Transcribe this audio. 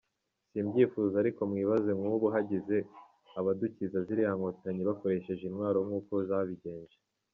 Simbyifuza ariko mwibaze nk’ubu hagize abadukiza ziriya Nkotanyi bakoresheje intwaro nk’uko zabigenje.